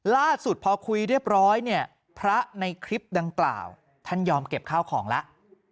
ล่าสุดพอคุยเรียบร้อยเนี่ยพระในคลิปดังกล่าวท่านยอมเก็บข้าวของแล้ว